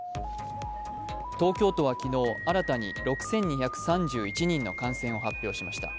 東京都は昨日、新たに６２３１人の感染を発表しました。